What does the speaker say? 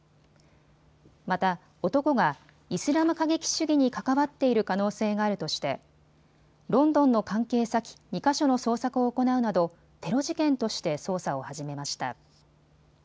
また男が、イスラム過激主義に関わっている可能性があるとしてロンドンの関係先２か所の捜索を行うなどテロ事件として捜査を始めました。